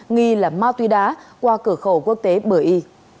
nghi là mao tuy đá qua cửa khẩu quốc tế bởi y